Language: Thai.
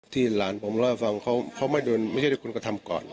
ที่หลานผมรอบฟังเขาไม่โดนไม่ใช่คนกระทำก่อน